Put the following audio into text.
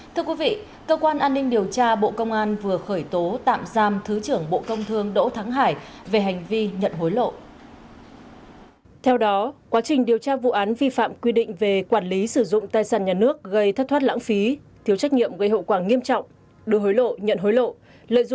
thưa quý vị cơ quan an ninh điều tra bộ công an vừa khởi tố tạm giam thứ trưởng bộ công thương đỗ thắng hải về hành vi nhận hối lộ